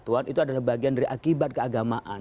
oleh karena itu wilayah kami adalah wilayah keagamaan